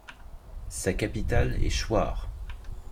Sa capitale est Choyr.